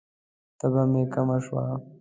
تبه می کمه شوه؟